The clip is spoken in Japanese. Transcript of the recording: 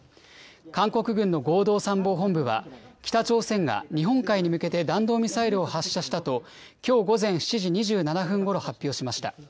韓国軍の合同参謀本部は、北朝鮮が日本海に向けて弾道ミサイルを発射したと、きょう午前７時２７分ごろ、発表しました。